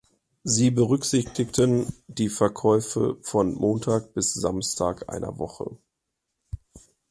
Sie berücksichtigten die Verkäufe von Montag bis Samstag einer Woche.